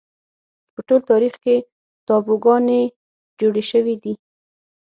په ټول تاریخ کې تابوگانې جوړې شوې دي